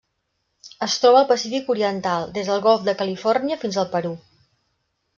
Es troba al Pacífic oriental: des del golf de Califòrnia fins al Perú.